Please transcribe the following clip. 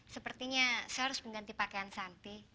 sepertinya saya harus mengganti pakaian samping